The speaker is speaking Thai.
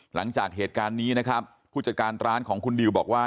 หลังจากเหตุการณ์นี้นะครับผู้จัดการร้านของคุณดิวบอกว่า